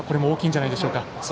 大きいんじゃないでしょうか。